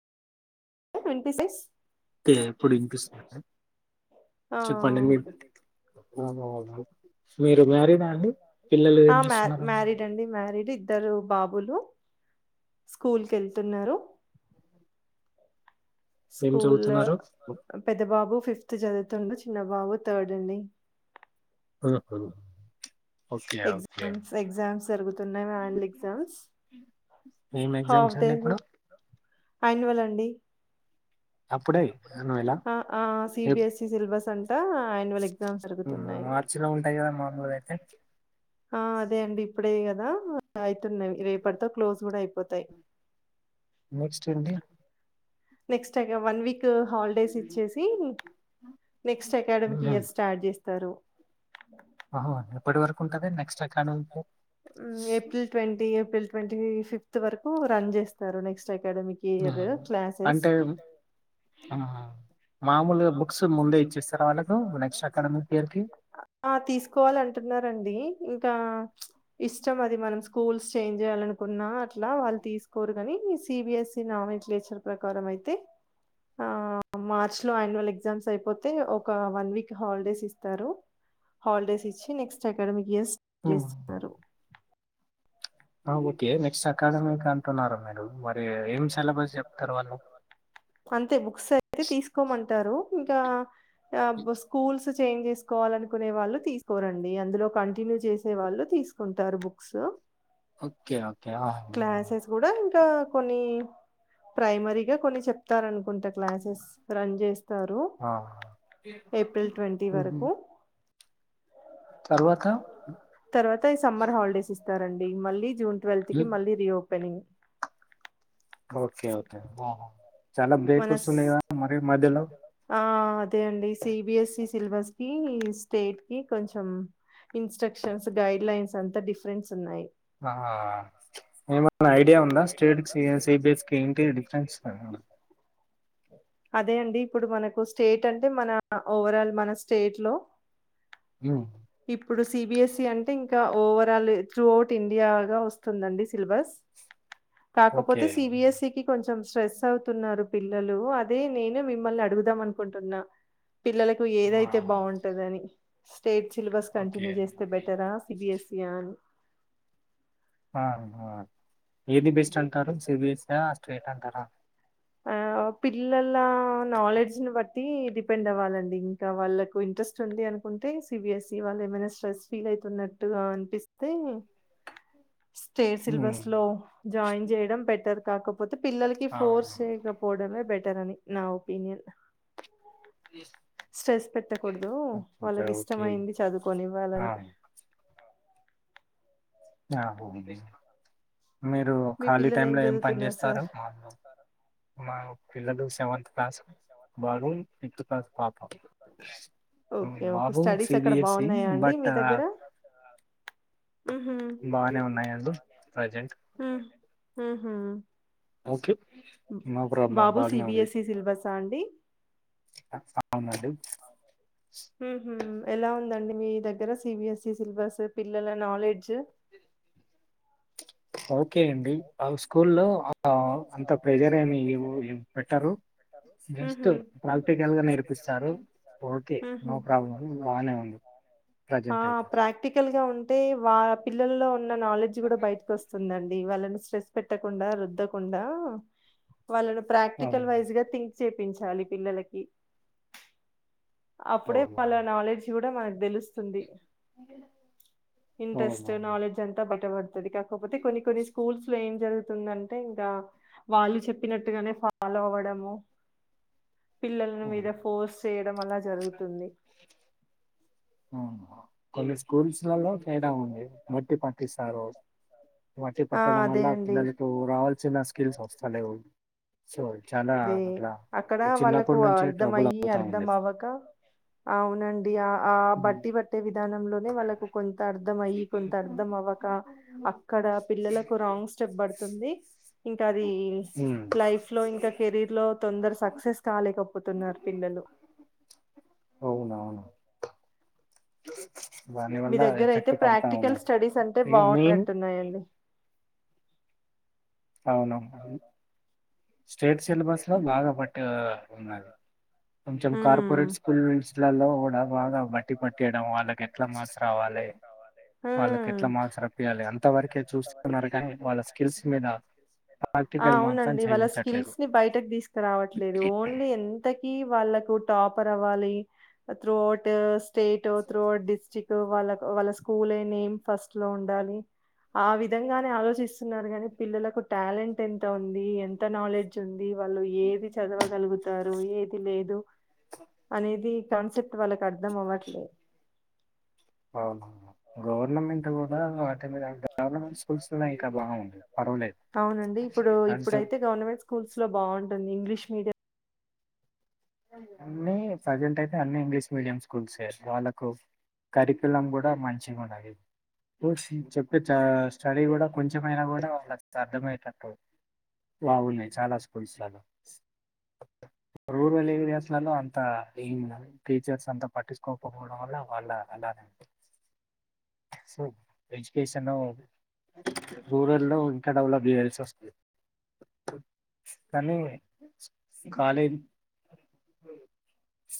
Twenty సిస్ తే ఇప్పుడు వినిపిస్తున్నాదా ఆ చెప్పండి మీ [inaudible] ఆ బాగున్నాను ఆహా ఏం మ్యా చేస్తున్నారు మ్యారీడ్ అండి మ్యారీడ్ ఇద్దరు బాబులు స్కూల్ కి వెళ్తున్నారు ఏం స్కూల్లో చదువుతున్నారు పెద్ద బాబు ఫిఫ్త్ సిక్స్త్ చదువుతుండు చిన్నా బాబు థర్డ్ అండి [unintelligible] ఓకే. ఎజామ్స్ ఎగ్జామ్స్ జరుగుతున్నాయి మానుల్ ఎగ్జామ్స్ ఏం ఎగ్జామ్స్ హాఫ్ అండి డేస్ ఇప్పుడు? అనువల్ అండి అప్పుడే నువ్వెలా ఆ ఆ C B S E syllabus అండి హ్మ్ హు మార్చిలో ఉంటాయి కదా మామూలుగా అయితే ఆ అదే అండి ఇప్పుడే కదా అయితున్నవి రేపటితో క్లోజ్ కూడా అయిపోతాయి నెక్స్ట్ అండి నెక్స్ట్ అగా వన్ వీక్ కు హాలిడేస్ ఇచ్చేసి నెక్స్ట్ అకాడమిక్ ఇయర్ స్టార్ట్ చేస్తారు అహో ఎప్పటి వరకు ఉంటది నెక్స్ట్ అకాడమికి మ్మ్ April twenty April twenty fifth వరకు రన్ చేస్తారు నెక్స్ట్ క్స్ట్ అకాడమిక్ ఇయరు హ్మ్. క్లాసెస్ అంటే ఆహా ఆ నెక్స్ట్ అకాడమిక్ ఇయర్‌కి? ఆ తీసుకోవాల అంటున్నారండి ఆ ఇష్టం అది మనం స్కూల్స్ చేంజ్ చేయాలనుకున్న అట్లా వాళ్ళు తీసుకోరుగని సి బి ఎస్ నామిటరేచర్ ప్రకారం అయితే ఆ మార్చ్ లో యానవల్ ఎగ్జామ్స్ అయిపోతే ఒక వన్ వీక్ హాలిడేస్ ఇస్తారు హాలిడేస్ ఇచ్చి నెక్స్ట్ అకాడమిక్ ఇయర్స్ గీస్తారు ఆవు మరి ఏం సిలబస్ చెప్తారు వాళ్ళు? అంతే బుక్స్ అయితే తీసుకోమంటారు ఇంకా స్కూల్స్ చేంజ్ చేసుకోవాలనుకునే వాళ్ళు తీసుకోరండి అందులో కంటిన్యూ చేసే వాళ్ళు తీసుకుంటారు books okay okay okay classes కూడా ఇంకా కొన్ని ప్రైమరీగా కొన్ని చెప్తారనుకుంటా క్లాసెస్ రన్ చేస్త తరు ఆ! ఏప్రిల్ ట్వంటీ హుహు. వరకు తర్వాత? తర్వాత ఈ సమ్మర్ హాలిడేస్ ఇస్తారండి మల్లి జూన్ ట్వల్త్ కి హ్మ్. మళ్ళీ రీవోపన్ పెనింగ్ ఓకే ఓకే చాలా బ్రేక్ మనస్ వస్తున్నాయి కదా! మరి మధ్యలో. ఆ అదే అండి సిబిఎస్ఈ సిలబస్ కి స్టేట్ కి కొంచెం instructions guidelines అంతా డిఫరెన్స్ ఉన్నాయి ఆహ ఏమని ఏమైనా ఐడియా ఉందా స్టేట్ సిబిఎస్ కి ఏంటి డిఫరెన్స్ అదే అండి ఇప్పుడు మనకు స్టేట్ అంటే మన ఓవరాల్ మన స్టేట్ లో హ ఇప్పుడు సిబిఎస్ ఈ అంటే ఇంకా ఓవరాల్ త్రూ అవుట్ ఇండియాగా వస్తుందండి సిలబస్ ఓకే. కాకపోతే సిబిఎస్ఈకి కొంచెం స్ట్రెస్ అవుతున్నారు పిల్లలు అదే నేను మిమ్మల్ని అడుగుదాం అనుకుంటున్నా పిల్లలకు ఆ! ఏదైతే బాగుంటందని స్టేట్ సిలబస్ ఓకే. కంటిన్యూ చేస్తే బెటరా సిబిఎస్ఈ ఆ ఆ ఏది బెస్ట్ అంటారు సిబిఎస్ ఆ స్టేట్ అంటార ఆ పిల్లల నాలెడ్జ్ ను బట్టి డిపెండ్ అవ్వాలండి ఇంకా వాళ్ళకు ఇంట్రెస్ట్ ఉంది అనుకుంటే సిబిఎస్ఈ వాళ్ళు ఏమైనా స్ట్రెస్ ఫీల్ అవుతున్నట్టుగా అనిపిస్తే స్టేట్ హ్మ్. సిలబస్ లో జాయిన్ చేయడం బెటర్ కాకపోతే తే పిల్లలకి ఆ! ఫోర్స్ పోడమే బెటర్ అని నా ఒపీనియన్ స్ట్రెస్ పెట్టకూడదు ఓకే. వాళ్ళకి ఓకే. ఇష్టమయింది చదువుకొనివ్వాలని ఆ! ఆ పోంది మీరు మీ ఖాళీ పిల్లలు టైంలో ఏం పని చదువుతున్నారు చేస్తారో సార్ మాలు మా పిల్లలు సెవెంత్ క్లాస్ బారు ఫిఫ్త్ క్లాస్ పాప ఓకే ఓకే బాబు సి స్టడీస్ బి అక్కడ ఎస్సి బాగున్నాయా అండి బట్ మీ దగ్గర మ్హూ బానే ఉన్నాయండి ప్రజెంట్ హ్మ్ ఓకే నో ప్రాబ్లం బాబు సి బాగానే బి ఉంది ఎస్సి సిల్బస్ సాండి అవునండి హ్మ్ హు ఎలా ఉందండి మీ దగ్గర సి బి ఎస్సి సిలబస్ పిల్లల నాలెడ్జ్ ఓకే అండి ఆల్ స్కూల్లో అంత ప్రెజర్ ఏమి పెట్టరు జస్ట్ ఉహు ప్రాక్టికల్గా నేర్పిస్తారు ఓకే ఉహు నో ప్రాబ్లం బానే ఉంది ప్రజెంట్ అయితే టే వా పిల్లల్లో ఉన్న నాలెడ్జ్ గూడా బయట్కోస్తుందండి వాళ్ళ స్ట్రెస్ పెట్టకుండా రుద్దకుండా వాళ్ళను అవును ప్రాక్టికల్ వైజ్ గా థి చేపించాలి పిల్లలకి అప్పుడే అవును వాళ్ళ నాలెడ్జ్ ఇవుడా మనకు దెలుస్ తుంది అవును ఇంట్రెస్ట్ అవును. నాలెడ్జ్ అంత బ ట్టబడుతుంది కాకపోతే కొన్ని కొన్ని స్కూల్స్ లో ఏం జరుగుతుందంటే ఇంకా వాళ్ళు చెప్పినట్టుగానే ఫాలో అవడము పిల్లల మీద ఫోర్స్ చేయడం వల్ జరుగుతుంది అవును కొన్ని స్కూల్స్ ల తేడా ఉంది మట్టి పట్టిస్త హలో బట్టి ఆ పట్టడం అదే వల్ల అండి పిల్లలకు రావాల్సిన స్కిల్స్ వస్తాలేవు సో చాలా అదే అట్లా అక్కడ వాళ్ళకు చిన్నప్పటి నుంచే అర్థం ట్రబుల్ అయ్యి అవుతా అర్థం ఉంది అవ్వక అవునండి ఆ ఆ ఉమ్ బట్టి బట్టే విధానంలోనే వాళ్ళకు కొంత అర్ అర్ధమయ్యి కొంత అర్థం అవ్వక అక్కడ పిల్లలకు రాంగ్ స్టెప్ పడుతుంది ఇంకా అది ఉమ్, లైఫ్ లో ఇంకా కెరీర్ లో తొందర సక్సెస్ కాలేకపోతున్నారు పిల్లలు అవునవును దాని మీ వల్ల దగ్గర అయితే ఎఫెక్ట్ పడతా ప్రాక్టికల్ ఉన్నది స్టడీస్ అంటే ఇగ మెయిన్ బాగున్నట్టున్నాయండి అవునవును స్టేట్ సిలబస్ లో బాగా బట్టి ఉన్నది కొంచెం ఉమ్ కార్పొరేట్ స్కూల్స్లలో కూడా బాగా బట్టి పట్టేయడం వాళ్ళకి ఎట్లా మార్క్స్ రావాలి వాళ్ళకి ఉమ్ ఎట్లా మార్క్స్ రప్పియాలి అంతవరకే చూస్తున్నారు కానీ వాళ్ళ స్కిల్స్ మీద ఆ ప్రాక్టికల్ మాత్రం అవునండి వాళ్ళ చేయించట్లేదు స్కిల్స్ బయటకు తీసుకురావట్లేదు ఓన్లీ ఎంత వాళ్ళకు టాపర్ అవ్వాలి త్రూ అవుట్ స్టేటో త్రూ అవుట్ డిస్ట్రిక్ట్ వాళ్ళ వాళ్ళ స్కూలే నేమ్ ఫస్ట్ లో ఉండాలి ఆ విధంగానే ఆలోచిస్తున్నారు కానీ పిల్లలకు టాలెంట్ ఎంత ఉంది ఎంత నాలెడ్జ్ డ్జ్ వాళ్ళు ఏది చదవగలుగుతారు ఏది లేదు అనేది కాన్సెప్ట్ వాళ్ళకు అర్థం అవ్వట్లే అవునవును గవర్నమెంట్ కూడా ఆటో గవర్నమెంట్ స్కూల్స్ లో ఇంకా బాగా ఉన్నాయి. అవునండి ఇప్పుడు ఇప్పుడైతే గవర్నమెంట్ స్కూల్స్ లో బాగుం ఇంగ్లీష్ మీడియం అన్ని ప్రజెంట్ అయితే అన్ని ఇంగ్లీష్ మీడియం స్కూల్స్ వాళ్ళకు కరికులం కూడా మంచిగా ఉన్నది చెప్తే స్టడీ కూడా కొంచెమైనా కూడా వాళ్ళ అర్థమయ్యేటట్టు బాగున్నాయి చాలా స్కూల్స్ లల్లో రూరల్ ఏరియాస్లలో అంత ఏ టీచర్స్ అంత పట్టించకోకపోవడం వల్ల వాళ్ళ అలాగ ఉ సో ఎడ్యుకేషన్ రూరల్ లో ఇంకా డెవలప్ చేయయాల్సి వస్తుంది కానీ కాలేజీ [inaudible]